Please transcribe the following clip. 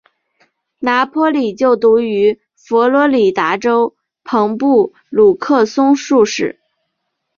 拿坡里就读于佛罗里达州朋布鲁克松树市。